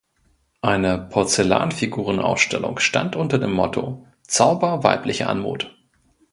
Eine Porzellanfiguren-Ausstellung stand unter dem Motto „Zauber weiblicher Anmut“.